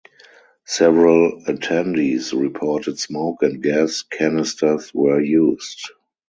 Several attendees reported smoke and gas canisters were used.